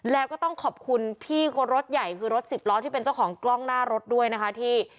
แล้วก็ต้องขอบคุณพี่คนรถใหญ่คือรถสิบล้อที่เป็นเจ้าของกล้องหน้ารถด้วยนะคะที่